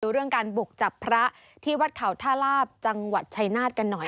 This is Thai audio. เรื่องการบุกจับพระที่วัดเขาท่าลาบจังหวัดชัยนาธกันหน่อย